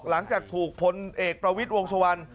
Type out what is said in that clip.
หลังจากถูกพลเอกประวิทวงศ์สวรรค์